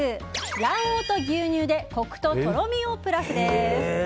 卵黄と牛乳でコクととろみをプラスです。